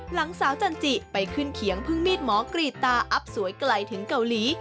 หลังสาวจันจิไปขึ้นเขียงพึ่งมีดหมอกรีดตาอัพสวยไกลถึงเกาหลี